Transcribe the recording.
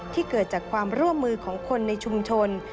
ที่เกิดจากความร่วมมือของคนในชุมชน